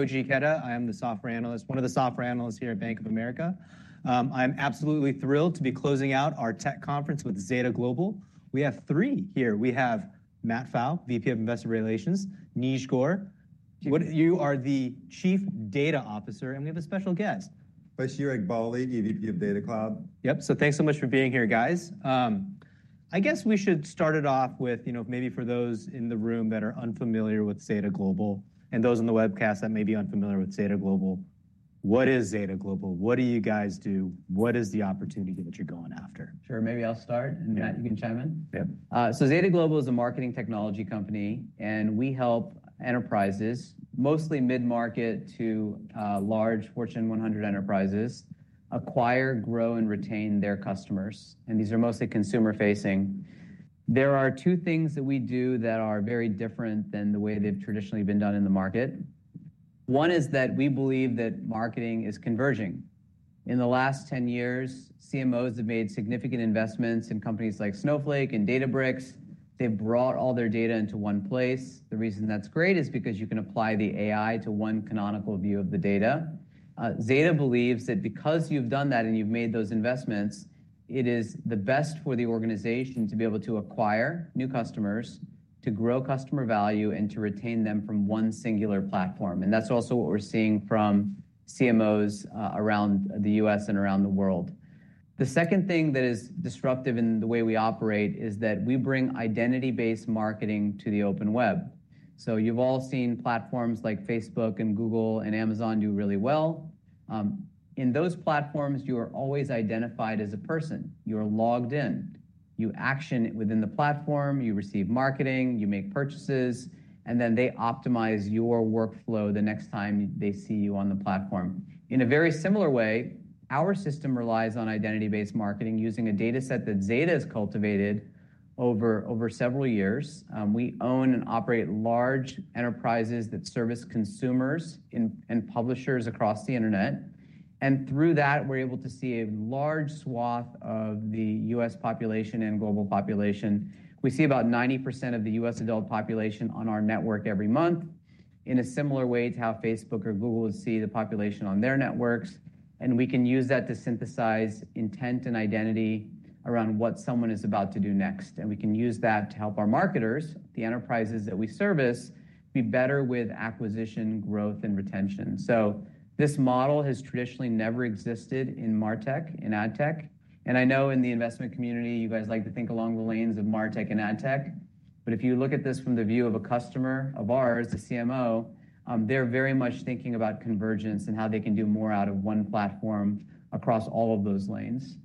It's Koji Ikeda. I am the software analyst, one of the software analysts here at Bank of America. I'm absolutely thrilled to be closing out our tech conference with Zeta Global. We have three here. We have Matt Pfau, VP of Investor Relations, Neej Gore. You are the Chief Data Officer, and we have a special guest. Chris Yurek-Bauley, EVP of Data Cloud. Yep. Thanks so much for being here, guys. I guess we should start it off with, you know, maybe for those in the room that are unfamiliar with Zeta Global and those on the webcast that may be unfamiliar with Zeta Global, what is Zeta Global? What do you guys do? What is the opportunity that you're going after? Sure. Maybe I'll start, and Matt, you can chime in. Yeah. Zeta Global is a marketing technology company, and we help enterprises, mostly mid-market to large Fortune 100 enterprises, acquire, grow, and retain their customers. These are mostly consumer-facing. There are two things that we do that are very different than the way they've traditionally been done in the market. One is that we believe that marketing is converging. In the last 10 years, CMOs have made significant investments in companies like Snowflake and Databricks. They've brought all their data into one place. The reason that's great is because you can apply the AI to one canonical view of the data. Zeta believes that because you've done that and you've made those investments, it is the best for the organization to be able to acquire new customers, to grow customer value, and to retain them from one singular platform. That is also what we're seeing from CMOs around the U.S. and around the world. The second thing that is disruptive in the way we operate is that we bring identity-based marketing to the open web. You have all seen platforms like Facebook, Google, and Amazon do really well. In those platforms, you are always identified as a person. You are logged in. You action within the platform. You receive marketing. You make purchases. They optimize your workflow the next time they see you on the platform. In a very similar way, our system relies on identity-based marketing using a data set that Zeta has cultivated over several years. We own and operate large enterprises that service consumers and publishers across the internet. Through that, we are able to see a large swath of the U.S. population and global population. We see about 90% of the U.S. adult population on our network every month in a similar way to how Facebook or Google see the population on their networks. We can use that to synthesize intent and identity around what someone is about to do next. We can use that to help our marketers, the enterprises that we service, be better with acquisition, growth, and retention. This model has traditionally never existed in MarTech and AdTech. I know in the investment community, you guys like to think along the lanes of MarTech and AdTech. If you look at this from the view of a customer of ours, the CMO, they're very much thinking about convergence and how they can do more out of one platform across all of those lanes.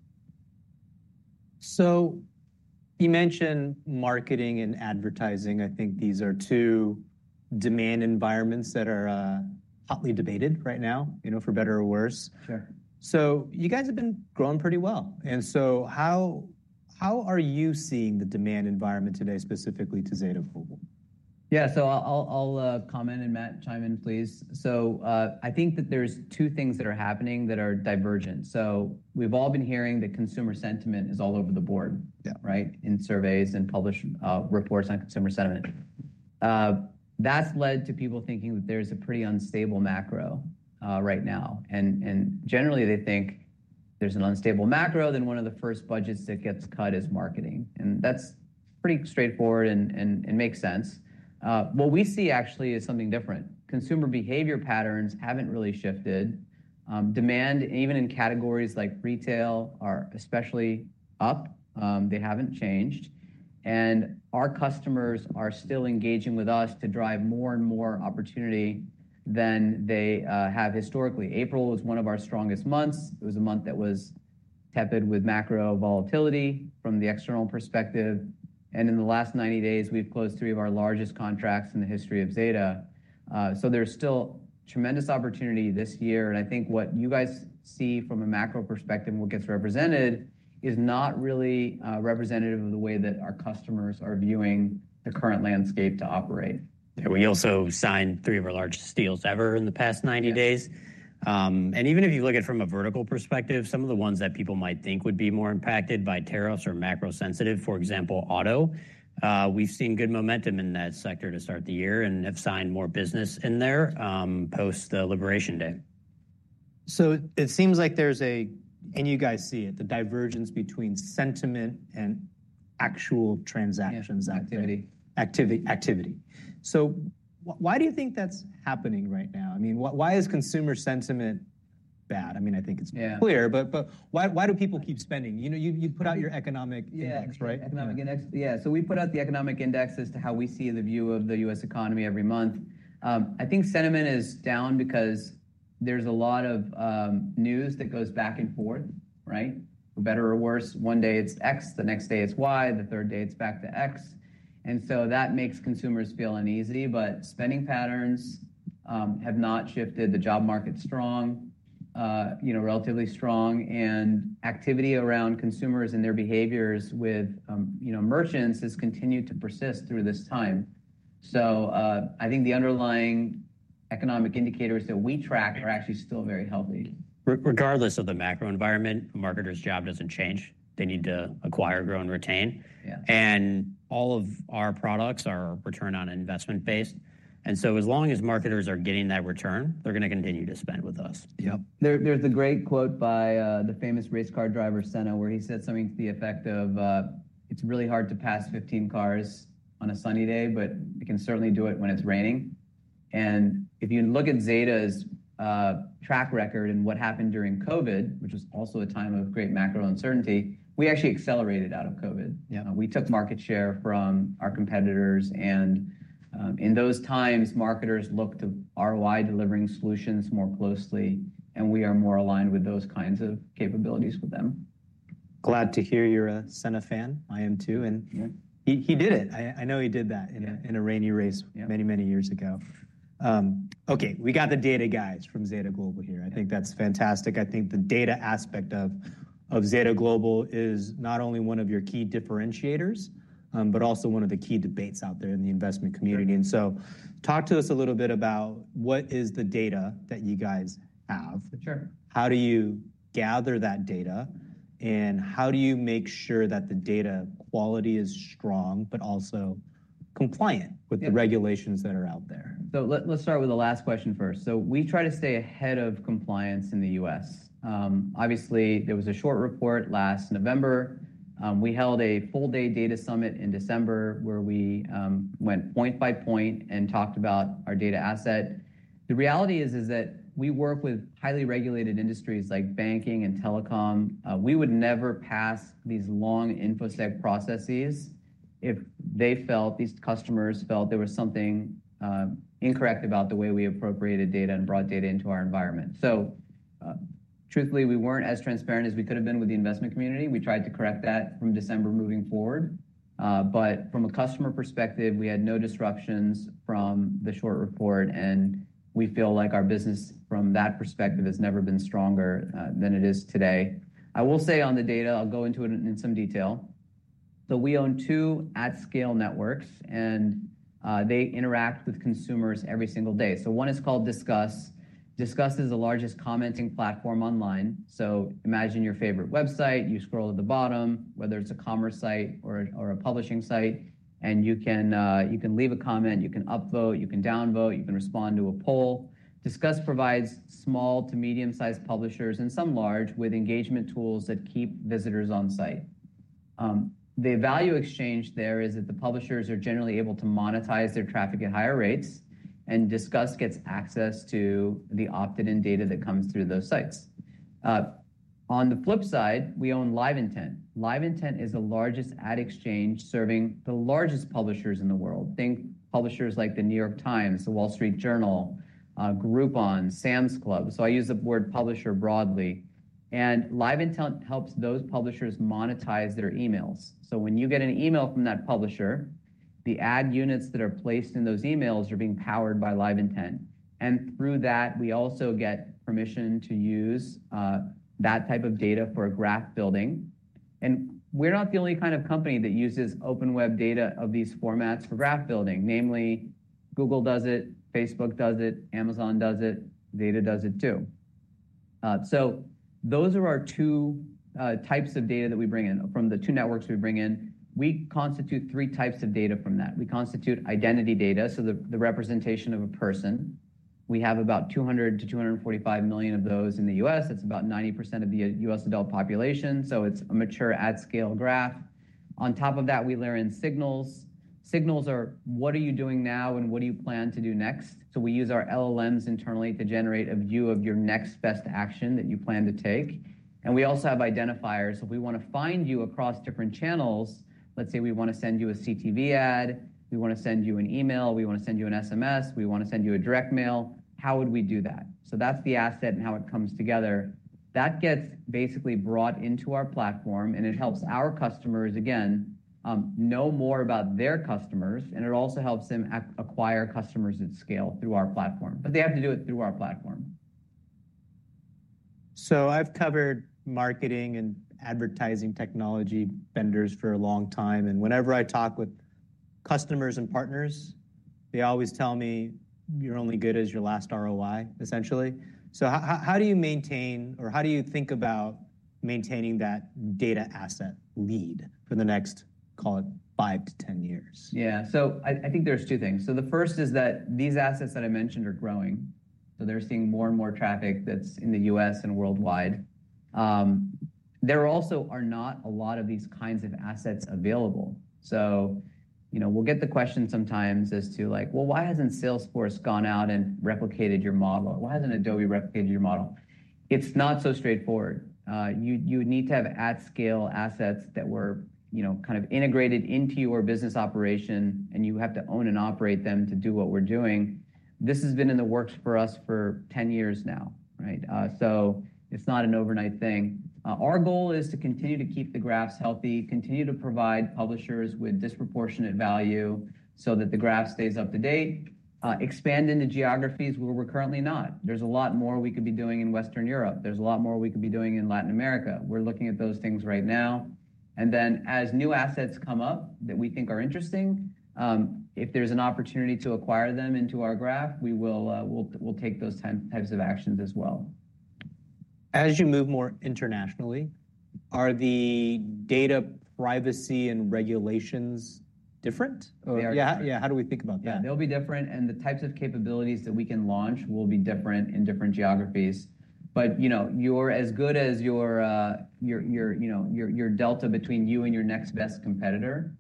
You mentioned marketing and advertising. I think these are two demand environments that are hotly debated right now, you know, for better or worse. Sure. You guys have been growing pretty well. How are you seeing the demand environment today, specifically to Zeta Global? Yeah. So I'll comment, and Matt, chime in, please. I think that there's two things that are happening that are divergent. We've all been hearing that consumer sentiment is all over the board, right, in surveys and published reports on consumer sentiment. That's led to people thinking that there's a pretty unstable macro right now. Generally, they think there's an unstable macro, then one of the first budgets that gets cut is marketing. That's pretty straightforward and makes sense. What we see actually is something different. Consumer behavior patterns haven't really shifted. Demand, even in categories like retail, are especially up. They haven't changed. Our customers are still engaging with us to drive more and more opportunity than they have historically. April was one of our strongest months. It was a month that was tepid with macro volatility from the external perspective. In the last 90 days, we've closed three of our largest contracts in the history of Zeta. There is still tremendous opportunity this year. I think what you guys see from a macro perspective, what gets represented, is not really representative of the way that our customers are viewing the current landscape to operate. Yeah. We also signed three of our largest deals ever in the past 90 days. Even if you look at it from a vertical perspective, some of the ones that people might think would be more impacted by tariffs or macro-sensitive, for example, auto, we've seen good momentum in that sector to start the year and have signed more business in there post-Liberation Day. It seems like there's a, and you guys see it, the divergence between sentiment and actual transactions. Activity. Activity. Why do you think that's happening right now? I mean, why is consumer sentiment bad? I mean, I think it's clear, but why do people keep spending? You put out your economic index, right? Yeah. Economic index. Yeah. So we put out the economic index as to how we see the view of the U.S. economy every month. I think sentiment is down because there's a lot of news that goes back and forth, right? For better or worse, one day it's X, the next day it's Y, the third day it's back to X. That makes consumers feel uneasy. Spending patterns have not shifted. The job market's strong, you know, relatively strong. Activity around consumers and their behaviors with merchants has continued to persist through this time. I think the underlying economic indicators that we track are actually still very healthy. Regardless of the macro environment, a marketer's job doesn't change. They need to acquire, grow, and retain. All of our products are returned on an investment base. As long as marketers are getting that return, they're going to continue to spend with us. Yep. There's a great quote by the famous race car driver, Senna, where he said something to the effect of, "It's really hard to pass 15 cars on a sunny day, but we can certainly do it when it's raining." If you look at Zeta's track record and what happened during COVID, which was also a time of great macro uncertainty, we actually accelerated out of COVID. We took market share from our competitors. In those times, marketers looked to ROI delivering solutions more closely, and we are more aligned with those kinds of capabilities with them. Glad to hear you're a Senna fan. I am too. He did it. I know he did that in a rainy race many, many years ago. Okay. We got the data guys from Zeta Global here. I think that's fantastic. I think the data aspect of Zeta Global is not only one of your key differentiators, but also one of the key debates out there in the investment community. Talk to us a little bit about what is the data that you guys have. Sure. How do you gather that data, and how do you make sure that the data quality is strong, but also compliant with the regulations that are out there? Let's start with the last question first. We try to stay ahead of compliance in the U.S. Obviously, there was a short report last November. We held a full-day data summit in December where we went point by point and talked about our data asset. The reality is that we work with highly regulated industries like banking and telecom. We would never pass these long infosec processes if these customers felt there was something incorrect about the way we appropriated data and brought data into our environment. Truthfully, we were not as transparent as we could have been with the investment community. We tried to correct that from December moving forward. From a customer perspective, we had no disruptions from the short report. We feel like our business from that perspective has never been stronger than it is today. I will say on the data, I'll go into it in some detail. We own two at-scale networks, and they interact with consumers every single day. One is called Discuss. Discuss is the largest commenting platform online. Imagine your favorite website. You scroll to the bottom, whether it is a commerce site or a publishing site, and you can leave a comment. You can upvote. You can downvote. You can respond to a poll. Discuss provides small to medium-sized publishers and some large with engagement tools that keep visitors on site. The value exchange there is that the publishers are generally able to monetize their traffic at higher rates, and Discuss gets access to the opted-in data that comes through those sites. On the flip side, we own Live Intent. LiveIntent is the largest ad exchange serving the largest publishers in the world. Think publishers like The New York Times, The Wall Street Journal, Groupon, Sam's Club. I use the word publisher broadly. LiveIntent helps those publishers monetize their emails. When you get an email from that publisher, the ad units that are placed in those emails are being powered by LiveIntent. Through that, we also get permission to use that type of data for graph building. We are not the only kind of company that uses open web data of these formats for graph building. Namely, Google does it, Facebook does it, Amazon does it, Zeta does it too. Those are our two types of data that we bring in from the two networks we bring in. We constitute three types of data from that. We constitute identity data, so the representation of a person. We have about 200 million-245 million of those in the U.S. That's about 90% of the U.S. adult population. It is a mature at-scale graph. On top of that, we layer in signals. Signals are, what are you doing now, and what do you plan to do next? We use our LLMs internally to generate a view of your next best action that you plan to take. We also have identifiers. If we want to find you across different channels, let's say we want to send you a CTV ad, we want to send you an email, we want to send you an SMS, we want to send you a direct mail, how would we do that? That is the asset and how it comes together. That gets basically brought into our platform, and it helps our customers, again, know more about their customers. It also helps them acquire customers at scale through our platform. They have to do it through our platform. I've covered marketing and advertising technology vendors for a long time. And whenever I talk with customers and partners, they always tell me, "You're only good as your last ROI," essentially. So how do you maintain, or how do you think about maintaining that data asset lead for the next, call it, 5-10 years? Yeah. So I think there's two things. The first is that these assets that I mentioned are growing. They're seeing more and more traffic that's in the U.S. and worldwide. There also are not a lot of these kinds of assets available. We get the question sometimes as to, like, "Well, why hasn't Salesforce gone out and replicated your model? Why hasn't Adobe replicated your model?" It's not so straightforward. You would need to have at-scale assets that were kind of integrated into your business operation, and you have to own and operate them to do what we're doing. This has been in the works for us for 10 years now, right? It's not an overnight thing. Our goal is to continue to keep the graphs healthy, continue to provide publishers with disproportionate value so that the graph stays up to date, expand into geographies where we're currently not. There is a lot more we could be doing in Western Europe. There is a lot more we could be doing in Latin America. We are looking at those things right now. As new assets come up that we think are interesting, if there is an opportunity to acquire them into our graph, we will take those types of actions as well. As you move more internationally, are the data privacy and regulations different? They are. Yeah? Yeah. How do we think about that? Yeah. They'll be different. The types of capabilities that we can launch will be different in different geographies. You're as good as your delta between you and your next best competitor.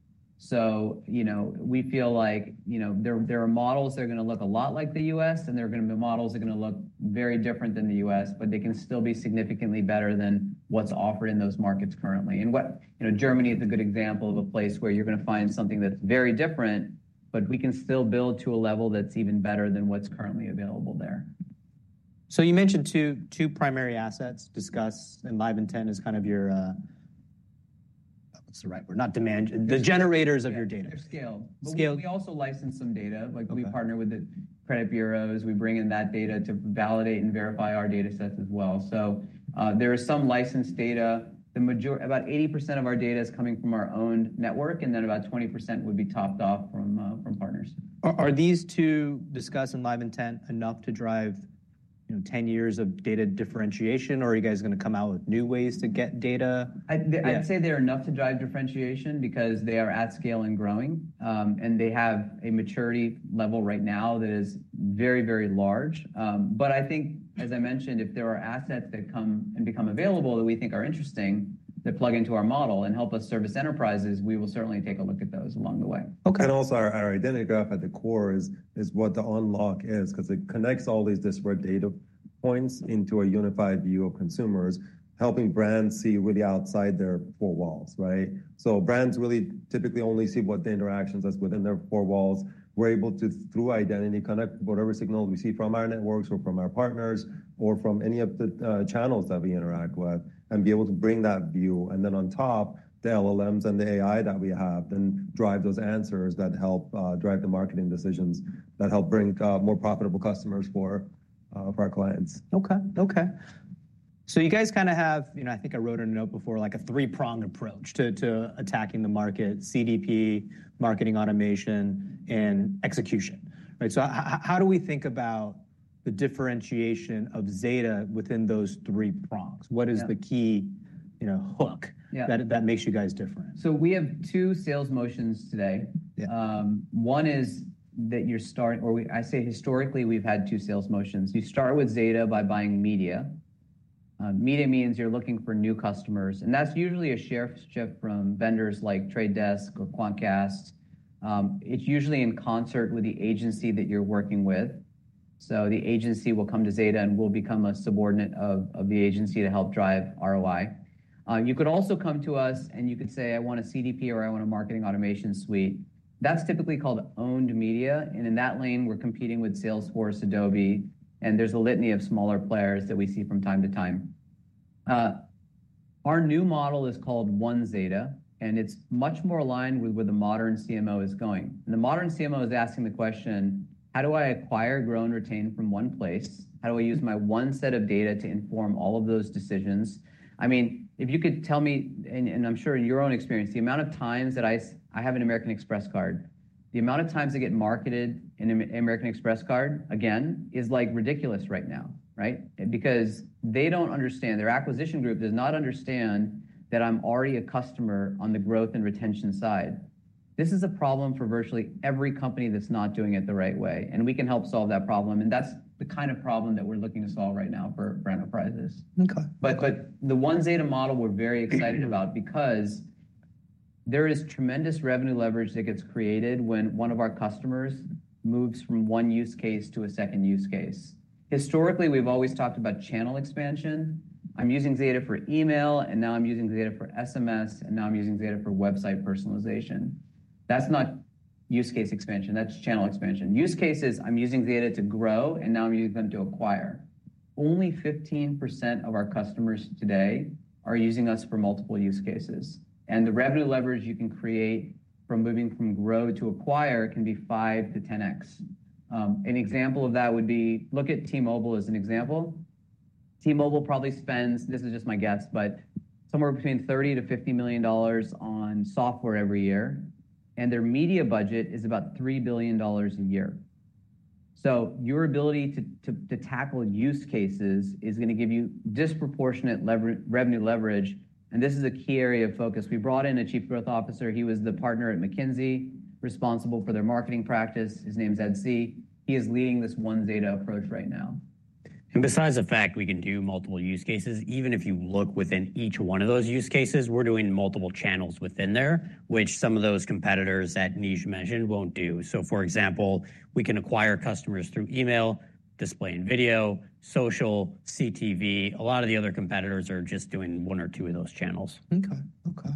We feel like there are models that are going to look a lot like the U.S., and there are going to be models that are going to look very different than the U.S., but they can still be significantly better than what's offered in those markets currently. Germany is a good example of a place where you're going to find something that's very different, but we can still build to a level that's even better than what's currently available there. You mentioned two primary assets, Discuss and LiveIntent as kind of your, what's the right word? Not demand, the generators of your data. Scale. We also license some data. We partner with the credit bureaus. We bring in that data to validate and verify our data sets as well. There is some licensed data. About 80% of our data is coming from our own network, and then about 20% would be topped off from partners. Are these two, Discuss and LiveIntent, enough to drive 10 years of data differentiation, or are you guys going to come out with new ways to get data? I'd say they're enough to drive differentiation because they are at scale and growing, and they have a maturity level right now that is very, very large. I think, as I mentioned, if there are assets that come and become available that we think are interesting that plug into our model and help us service enterprises, we will certainly take a look at those along the way. Our identity graph at the core is what the unlock is because it connects all these disparate data points into a unified view of consumers, helping brands see really outside their four walls, right? Brands really typically only see what the interactions are within their four walls. We're able to, through identity, connect whatever signal we see from our networks or from our partners or from any of the channels that we interact with and be able to bring that view. On top, the LLMs and the AI that we have then drive those answers that help drive the marketing decisions that help bring more profitable customers for our clients. Okay. Okay. So you guys kind of have, I think I wrote in a note before, like a three-pronged approach to attacking the market, CDP, marketing automation, and execution, right? How do we think about the differentiation of Zeta within those three prongs? What is the key hook that makes you guys different? We have two sales motions today. One is that you're starting, or I say historically we've had two sales motions. You start with Zeta by buying media. Media means you're looking for new customers. And that's usually a share shift from vendors like The Trade Desk or Quantcast. It's usually in concert with the agency that you're working with. The agency will come to Zeta and will become a subordinate of the agency to help drive ROI. You could also come to us and you could say, "I want a CDP or I want a marketing automation suite." That's typically called owned media. In that lane, we're competing with Salesforce, Adobe, and there's a litany of smaller players that we see from time to time. Our new model is called One Zeta, and it's much more aligned with where the modern CMO is going. The modern CMO is asking the question, "How do I acquire, grow, and retain from one place? How do I use my one set of data to inform all of those decisions?" I mean, if you could tell me, and I'm sure in your own experience, the amount of times that I have an American Express card, the amount of times I get marketed an American Express card, again, is like ridiculous right now, right? Because they do not understand. Their acquisition group does not understand that I'm already a customer on the growth and retention side. This is a problem for virtually every company that is not doing it the right way. We can help solve that problem. That is the kind of problem that we are looking to solve right now for enterprises. The One Zeta model we're very excited about because there is tremendous revenue leverage that gets created when one of our customers moves from one use case to a second use case. Historically, we've always talked about channel expansion. I'm using Zeta for email, and now I'm using Zeta for SMS, and now I'm using Zeta for website personalization. That's not use case expansion. That's channel expansion. Use cases, I'm using Zeta to grow, and now I'm using them to acquire. Only 15% of our customers today are using us for multiple use cases. The revenue leverage you can create from moving from grow to acquire can be 5x to 10x. An example of that would be look at T-Mobile as an example. T-Mobile probably spends, this is just my guess, but somewhere between $30 million-$50 million on software every year. Their media budget is about $3 billion a year. Your ability to tackle use cases is going to give you disproportionate revenue leverage. This is a key area of focus. We brought in a Chief Growth Officer. He was the partner at McKinsey responsible for their marketing practice. His name is Ed C. He is leading this One Zeta approach right now. Besides the fact we can do multiple use cases, even if you look within each one of those use cases, we're doing multiple channels within there, which some of those competitors that Neej mentioned won't do. For example, we can acquire customers through email, display and video, social, CTV. A lot of the other competitors are just doing one or two of those channels. Okay. Okay.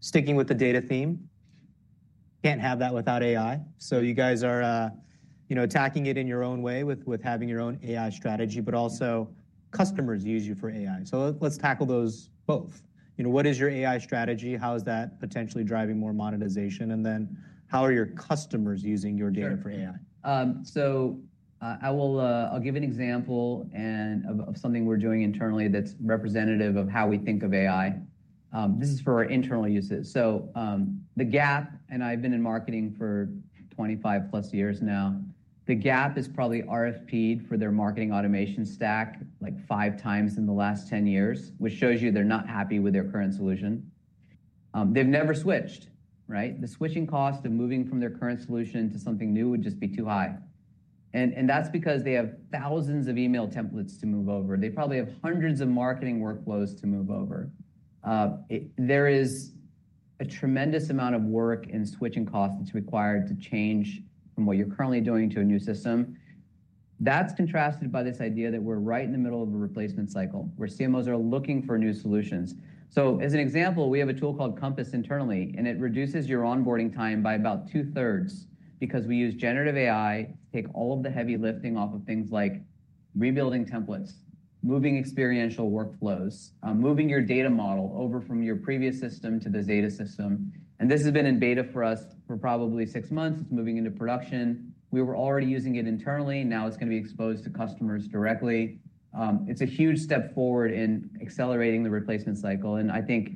Sticking with the data theme, can't have that without AI. You guys are attacking it in your own way with having your own AI strategy, but also customers use you for AI. Let's tackle those both. What is your AI strategy? How is that potentially driving more monetization? And then how are your customers using your data for AI? I'll give an example of something we're doing internally that's representative of how we think of AI. This is for our internal uses. The Gap, and I've been in marketing for 25+ years now. The Gap has probably RFPed for their marketing automation stack like five times in the last 10 years, which shows you they're not happy with their current solution. They've never switched, right? The switching cost of moving from their current solution to something new would just be too high. That's because they have thousands of email templates to move over. They probably have hundreds of marketing workflows to move over. There is a tremendous amount of work and switching costs that's required to change from what you're currently doing to a new system. That's contrasted by this idea that we're right in the middle of a replacement cycle where CMOs are looking for new solutions. For example, we have a tool called Compass internally, and it reduces your onboarding time by about two-thirds because we use generative AI to take all of the heavy lifting off of things like rebuilding templates, moving experiential workflows, moving your data model over from your previous system to the Zeta system. This has been in beta for us for probably six months. It's moving into production. We were already using it internally. Now it's going to be exposed to customers directly. It's a huge step forward in accelerating the replacement cycle. I think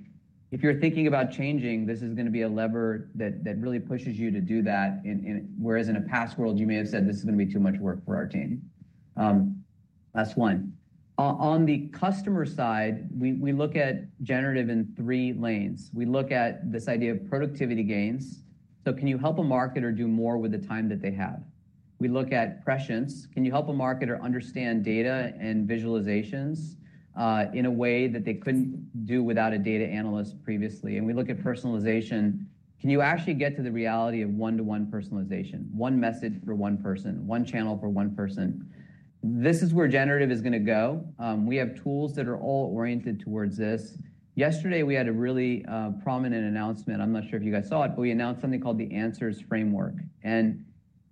if you're thinking about changing, this is going to be a lever that really pushes you to do that. Whereas in a past world, you may have said, "This is going to be too much work for our team." That is one. On the customer side, we look at generative in three lanes. We look at this idea of productivity gains. Can you help a marketer do more with the time that they have? We look at prescience. Can you help a marketer understand data and visualizations in a way that they could not do without a data analyst previously? We look at personalization. Can you actually get to the reality of one-to-one personalization, one message for one person, one channel for one person? This is where generative is going to go. We have tools that are all oriented towards this. Yesterday, we had a really prominent announcement. I am not sure if you guys saw it, but we announced something called the Answers Framework.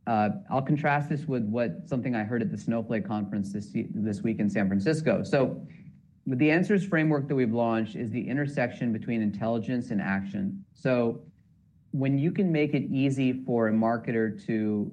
I'll contrast this with something I heard at the Snowflake conference this week in San Francisco. The Answers Framework that we've launched is the intersection between intelligence and action. When you can make it easy for a marketer to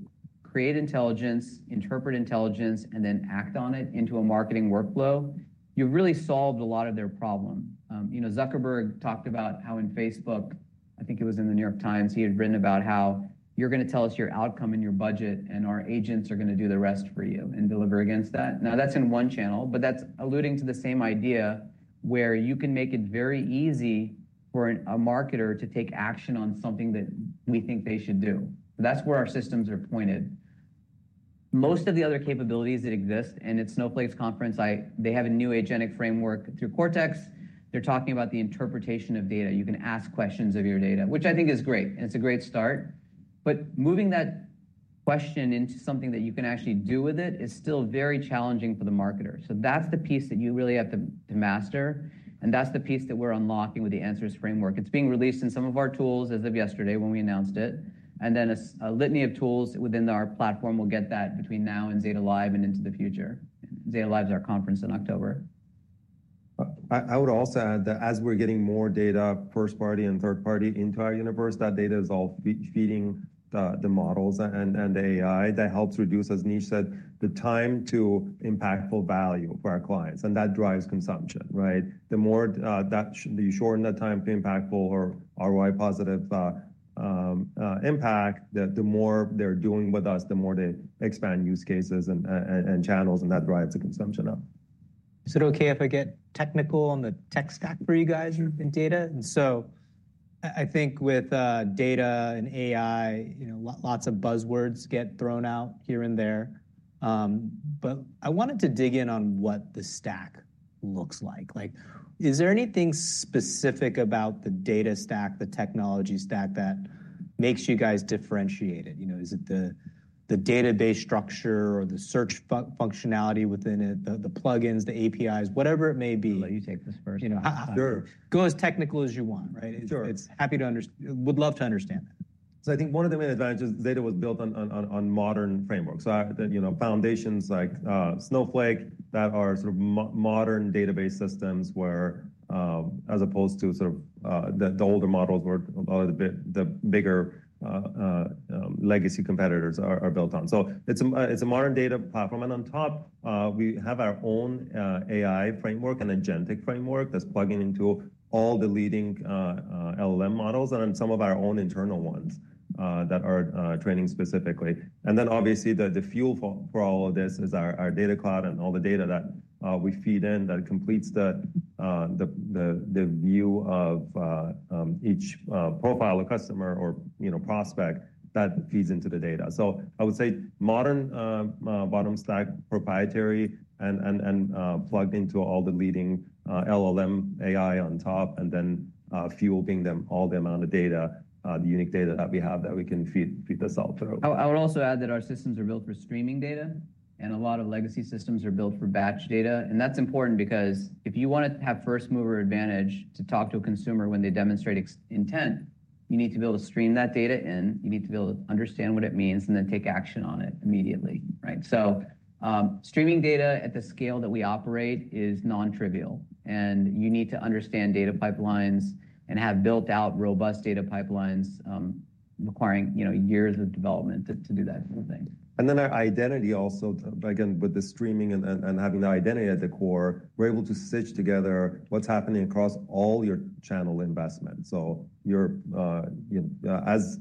create intelligence, interpret intelligence, and then act on it into a marketing workflow, you've really solved a lot of their problem. Zuckerberg talked about how in Facebook, I think it was in The New York Times, he had written about how you're going to tell us your outcome and your budget, and our agents are going to do the rest for you and deliver against that. Now, that's in one channel, but that's alluding to the same idea where you can make it very easy for a marketer to take action on something that we think they should do. That's where our systems are pointed. Most of the other capabilities that exist, and at Snowflake's conference, they have a new agentic framework through Cortex. They're talking about the interpretation of data. You can ask questions of your data, which I think is great. It's a great start. Moving that question into something that you can actually do with it is still very challenging for the marketer. That is the piece that you really have to master. That is the piece that we're unlocking with the Answers Framework. It's being released in some of our tools as of yesterday when we announced it. A litany of tools within our platform will get that between now and Zeta Live and into the future. Zeta Live is our conference in October. I would also add that as we're getting more data, first-party and third-party into our universe, that data is all feeding the models and the AI that helps reduce, as Neej said, the time to impactful value for our clients. That drives consumption, right? The more that you shorten that time to impactful or ROI-positive impact, the more they're doing with us, the more they expand use cases and channels, and that drives the consumption up. Is it okay if I get technical on the tech stack for you guys and data? I think with data and AI, lots of buzzwords get thrown out here and there. I wanted to dig in on what the stack looks like. Is there anything specific about the data stack, the technology stack that makes you guys differentiate it? Is it the database structure or the search functionality within it, the plugins, the APIs, whatever it may be? Let you take this first. Sure. Go as technical as you want, right? Sure. It's happy to understand. Would love to understand that. I think one of the main advantages Zeta was built on modern frameworks. Foundations like Snowflake that are sort of modern database systems where, as opposed to sort of the older models where a lot of the bigger legacy competitors are built on. It is a modern data platform. On top, we have our own AI framework and agentic framework that is plugging into all the leading LLM models and then some of our own internal ones that are training specifically. Obviously, the fuel for all of this is our data cloud and all the data that we feed in that completes the view of each profile of customer or prospect that feeds into the data. I would say modern bottom stack, proprietary and plugged into all the leading LLM AI on top and then fueling them all the amount of data, the unique data that we have that we can feed this all through. I would also add that our systems are built for streaming data, and a lot of legacy systems are built for batch data. That is important because if you want to have first-mover advantage to talk to a consumer when they demonstrate intent, you need to be able to stream that data in. You need to be able to understand what it means and then take action on it immediately, right? Streaming data at the scale that we operate is non-trivial. You need to understand data pipelines and have built out robust data pipelines requiring years of development to do that thing. Our identity also, again, with the streaming and having the identity at the core, we're able to stitch together what's happening across all your channel investments. As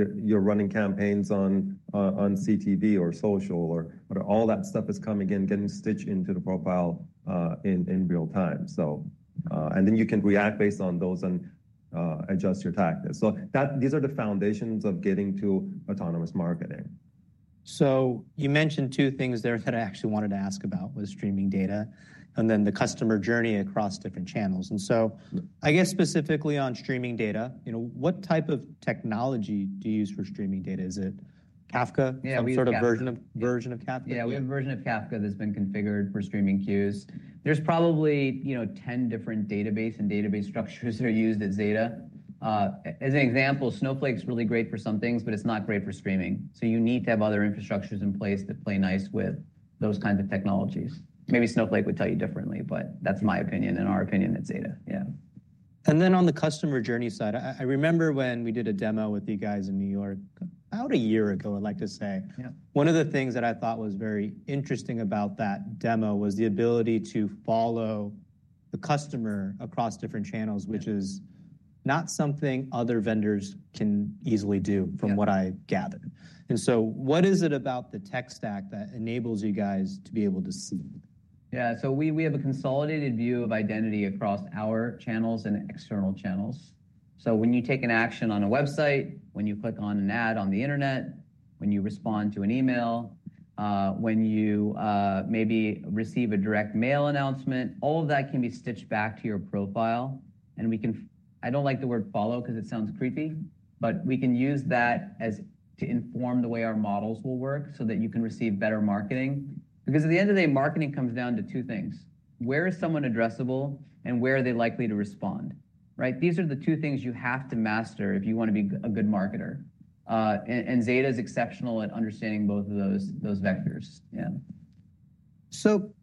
you're running campaigns on CTV or social, all that stuff is coming in, getting stitched into the profile in real time. You can react based on those and adjust your tactics. These are the foundations of getting to autonomous marketing. You mentioned two things there that I actually wanted to ask about, which were streaming data and then the customer journey across different channels. I guess specifically on streaming data, what type of technology do you use for streaming data? Is it Kafka? Some sort of version of Kafka? Yeah, we have a version of Kafka that's been configured for streaming queues. There's probably 10 different database and database structures that are used at Zeta. As an example, Snowflake's really great for some things, but it's not great for streaming. You need to have other infrastructures in place that play nice with those kinds of technologies. Maybe Snowflake would tell you differently, but that's my opinion and our opinion at Zeta. Yeah. On the customer journey side, I remember when we did a demo with you guys in New York about a year ago, I'd like to say. One of the things that I thought was very interesting about that demo was the ability to follow the customer across different channels, which is not something other vendors can easily do from what I gather. What is it about the tech stack that enables you guys to be able to see? Yeah, so we have a consolidated view of identity across our channels and external channels. When you take an action on a website, when you click on an ad on the internet, when you respond to an email, when you maybe receive a direct mail announcement, all of that can be stitched back to your profile. I do not like the word follow because it sounds creepy, but we can use that to inform the way our models will work so that you can receive better marketing. At the end of the day, marketing comes down to two things. Where is someone addressable and where are they likely to respond? These are the two things you have to master if you want to be a good marketer. Zeta is exceptional at understanding both of those vectors. Yeah.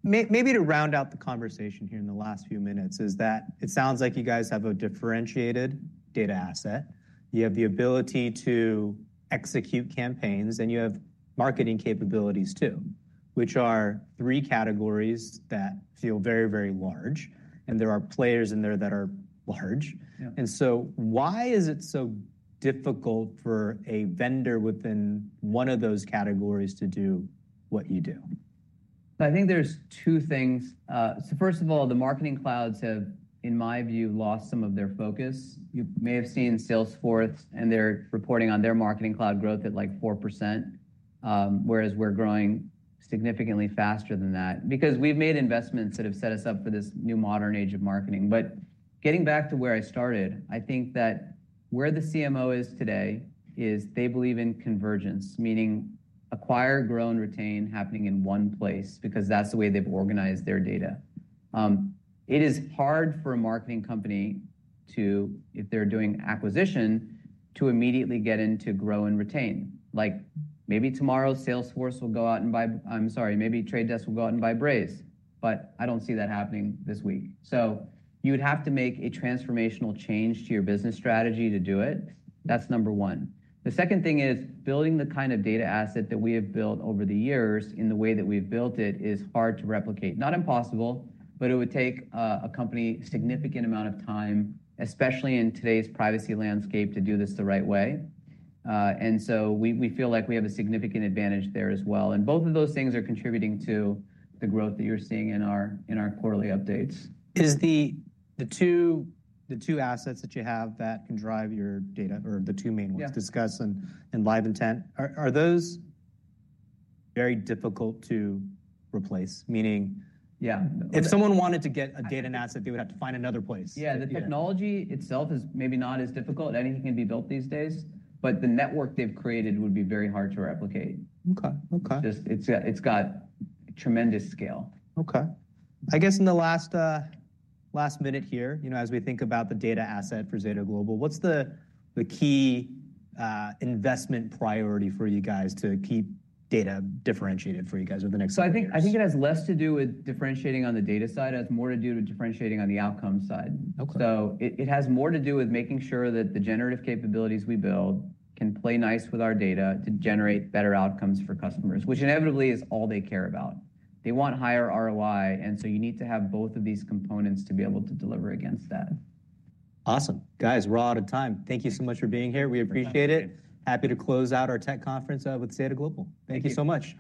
Maybe to round out the conversation here in the last few minutes, it sounds like you guys have a differentiated data asset. You have the ability to execute campaigns, and you have marketing capabilities too, which are three categories that feel very, very large. There are players in there that are large. Why is it so difficult for a vendor within one of those categories to do what you do? I think there's two things. First of all, the marketing clouds have, in my view, lost some of their focus. You may have seen Salesforce, and they're reporting on their marketing cloud growth at like 4%, whereas we're growing significantly faster than that because we've made investments that have set us up for this new modern age of marketing. Getting back to where I started, I think that where the CMO is today is they believe in convergence, meaning acquire, grow, and retain happening in one place because that's the way they've organized their data. It is hard for a marketing company to, if they're doing acquisition, to immediately get into grow and retain. Like maybe tomorrow, Salesforce will go out and buy, I'm sorry, maybe Trade Desk will go out and buy Brays, but I don't see that happening this week. You would have to make a transformational change to your business strategy to do it. That's number one. The second thing is building the kind of data asset that we have built over the years in the way that we've built it is hard to replicate. Not impossible, but it would take a company a significant amount of time, especially in today's privacy landscape, to do this the right way. We feel like we have a significant advantage there as well. Both of those things are contributing to the growth that you're seeing in our quarterly updates. Is the two assets that you have that can drive your data or the two main ones Discuss and LiveIntent, are those very difficult to replace? Meaning. Yeah. If someone wanted to get a data and asset, they would have to find another place. Yeah, the technology itself is maybe not as difficult. Anything can be built these days, but the network they've created would be very hard to replicate. It's got tremendous scale. Okay. I guess in the last minute here, as we think about the data asset for Zeta Global, what's the key investment priority for you guys to keep data differentiated for you guys over the next couple of years? I think it has less to do with differentiating on the data side. It has more to do with differentiating on the outcome side. It has more to do with making sure that the generative capabilities we build can play nice with our data to generate better outcomes for customers, which inevitably is all they care about. They want higher ROI, and you need to have both of these components to be able to deliver against that. Awesome. Guys, we're out of time. Thank you so much for being here. We appreciate it. Happy to close out our tech conference with Zeta Global. Thank you so much.